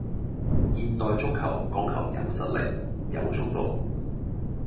現代足球講求有實力,有速度